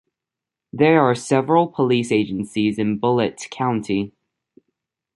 There are several police agencies in Bullitt County.